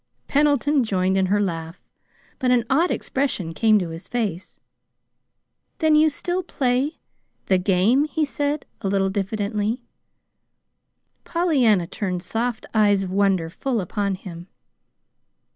'" Pendleton joined in her laugh, but an odd expression came to his face. "Then you still play the game," he said, a little diffidently. Pollyanna turned soft eyes of wonder full upon him.